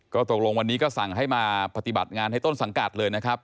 ก็ตกลงวันนี้ก็สั่งให้มาปฏิบัติงานให้ต้นสังกัดเลยนะครับ